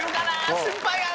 心配やな。